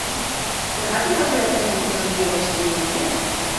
Zergatik aukeratu zenituen bi abesti horiek?